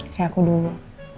kayak aku dulu